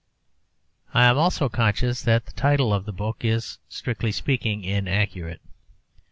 I am also conscious that the title of the book is, strictly speaking, inaccurate.